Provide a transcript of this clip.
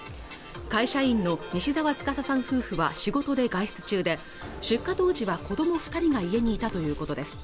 会社員の西澤司さん夫婦は仕事で外出中で出火当時は子供二人が家にいたということです